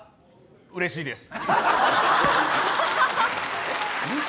うれしいです。